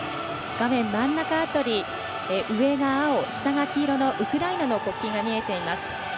画面真ん中上が青、下が黄色のウクライナの国旗が見えています。